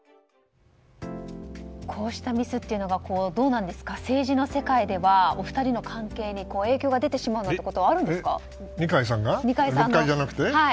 こうしたミスというのが政治の世界ではお二人の関係に影響が出てしまうなんてことはあるんですか？